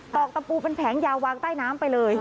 อกตะปูเป็นแผงยาววางใต้น้ำไปเลย